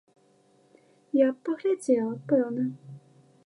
Я б паглядзела, пэўна.